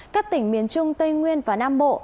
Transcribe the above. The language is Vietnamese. các tỉnh miền trung tây nguyên và nam bộ